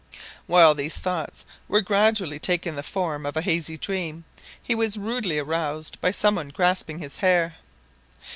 While these thoughts were gradually taking the form of a hazy dream, he was rudely aroused by something grasping his hair.